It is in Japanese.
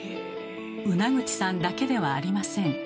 ウナグチさんだけではありません。